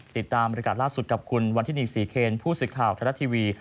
ติดตามรายการล่าสุดกับคุณวันที่๔เคนผู้สิทธิ์ข่าวธรรมดาทีวี